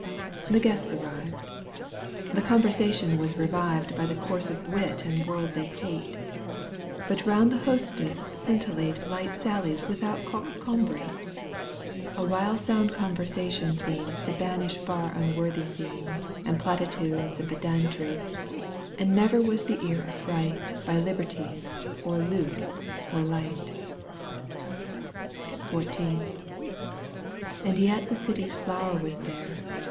The guests arrived. The conversation was revived By the coarse wit of worldly hate ; But round the hostess scintillate Light sallies without coxcombry, Digitized by VjOOQ IC CANTO vin. EUGENE ON^GUINE. 235 Awhile sound conversation seems To banish far unworthy themes And platitudes and pedantry, And never was the ear afifright By liberties or loose or light. XXIV. /^ And yet the city's flower was there.